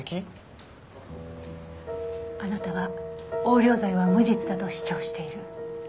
あなたは横領罪は無実だと主張している。